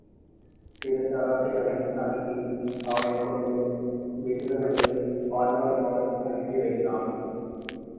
திருதராட்டிரனை அணுகி அவனைக் கொண்டு விதுரனையே பாண்டவர் பால் அனுப்பி வைத்தான்.